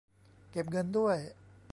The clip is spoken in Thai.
เก็บเงินด้วย